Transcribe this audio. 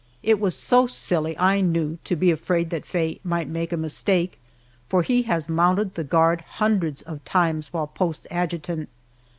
It was so silly, I knew, to be afraid that Faye might make a mistake, for he has mounted the guard hundreds of times while post adjutant.